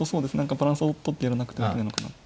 バランスをとってやらなくてはいけないのかなと。